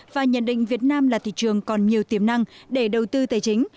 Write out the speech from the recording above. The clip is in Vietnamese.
và nhận định việt nam là thị trường còn nhiều tiềm năng để đầu tư tài chính